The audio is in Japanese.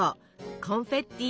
コンフェッティ